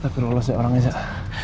tak terlalu rosak orangnya pak